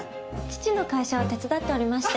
父の会社を手伝っておりまして。